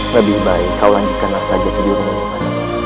lebih baik kau lanjutkan langsaja ke dirimu